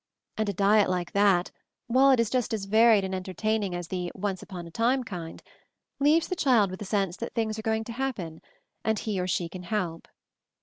And a diet like that, while it is just as varied and entertaining as the 'once upon a time' kind, leaves the child with a sense that things are going to happen — and he, or she, can help.